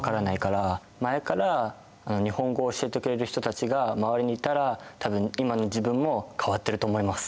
前から日本語を教えてくれる人たちが周りにいたら多分今の自分も変わってると思います！